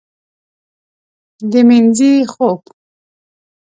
د مینځې خوب